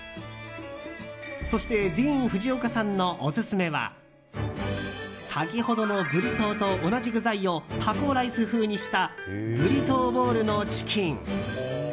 そしてディーン・フジオカさんのオススメは先ほどのブリトーと同じ具材をタコライス風にしたブリトーボウルのチキン。